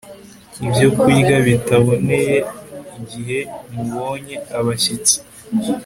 ibyokurya bitaboneye igihe mubonye abashyitsi